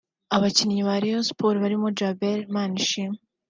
abakinnyi ba Rayon Sports barimo Djabel Manishimwe